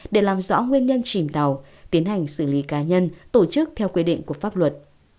để làm rõ nguyên nhân chìm tàu tiến hành xử lý cá nhân tổ chức theo quy định của pháp luật